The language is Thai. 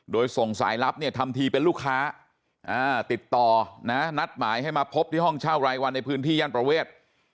โดยส่งสายลับเนี่ยทำทีเป็นลูกค้าติดต่อนะนัดหมายให้มาพบที่ห้องเช่ารายวันในพื้นที่ย่านประเวท